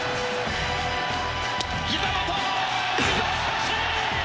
ひざ元、見逃し三振！